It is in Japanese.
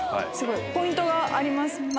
すごいポイントがあります。